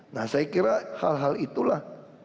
nah saya kira hal hal itulah